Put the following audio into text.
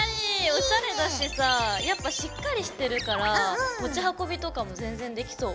おしゃれだしさあやっぱしっかりしてるから持ち運びとかも全然できそう。